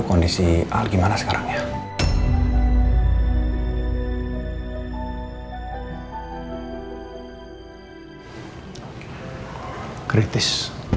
serius ini bersaga serius